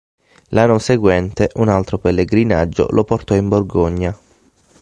L'anno seguente un altro pellegrinaggio lo portò in Borgogna.